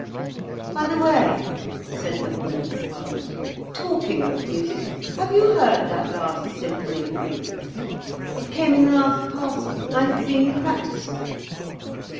"By the way," said the Woman of the World, "talking of music, have you heard that last symphony of Grieg's? It came in the last parcel. I have been practising it."